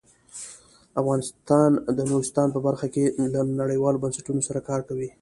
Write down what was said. افغانستان د نورستان په برخه کې له نړیوالو بنسټونو سره کار کوي.